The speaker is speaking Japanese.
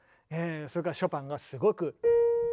それからショパンがすごく。